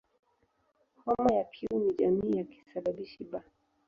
Homa ya Q ni jamii ya kisababishi "B".